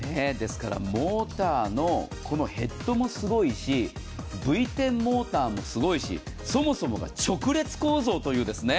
モーターのヘッドもすごいし、Ｖ１０モーターもすごいし、そもそも直列構造というね。